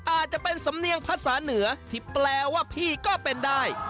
อาจจะเป็นสำเนียงภาษาเหนือที่แปลว่าพี่ก็เป็นได้